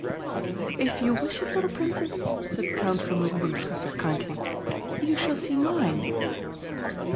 "If you wish it, little Princess," said Count von Rubenfresser kindly, "you shall see mine."